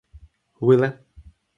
wile.